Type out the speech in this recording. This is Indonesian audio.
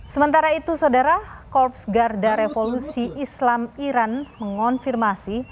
sementara itu saudara korps garda revolusi islam iran mengonfirmasi